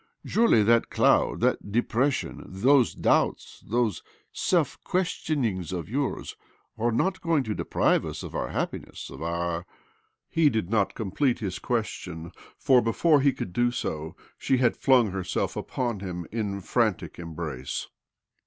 Surely that cloud, that depression, those doubts, those self question ings of yours, are not going to deprive us of our happiness, of our ^?" He did not complete his question, for. 2б2 OBLOMOV before he could do so, she had flung herself upon him in a frantic embrace.